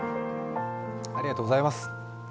ありがとうございます。